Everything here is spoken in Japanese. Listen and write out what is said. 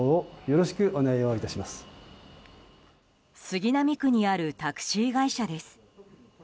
杉並区にあるタクシー会社です。